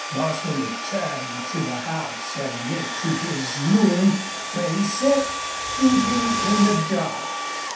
Bostil returned to the house and went to his room, where he sat thinking in the dark.